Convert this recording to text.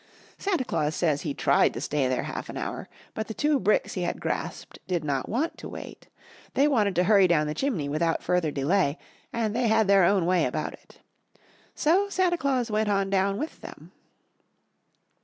Santa Claus says he tried to stay there half an hour, but the two bricks he had grasped did not want to wait. They wanted to hurry down the chimney without further delay, and they had their own way about it. So Santa Claus went on down with them.